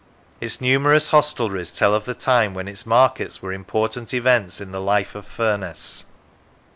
Its numerous hostelries tell of the time when its markets were important events in the life of Furness.